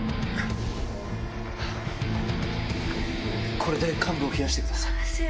これで患部を冷やしてください。